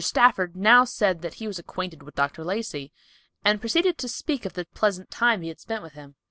Stafford now said that he was acquainted with Dr. Lacey, and proceeded to speak of the pleasant time he had spent with him.